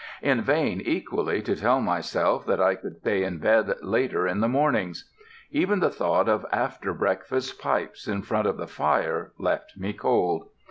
In vain, equally, to tell myself that I could stay in bed later in the mornings. Even the thought of after breakfast pipes in front of the fire left me cold.